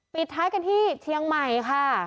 ปิดท้ายกันที่เชียงใหม่ค่ะ